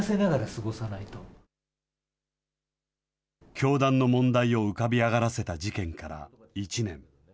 教団の問題を浮かび上がらせた事件から１年。